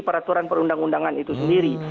peraturan perundang undangan itu sendiri